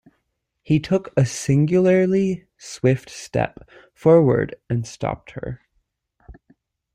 He took a singularly swift step forward and stopped her.